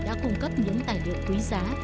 đã cung cấp những tài liệu quý giá